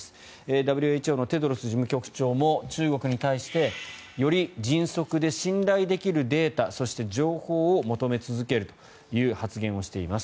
ＷＨＯのテドロス事務局長も中国に対してより迅速で信頼できるデータそして情報を求め続けるという発言をしています。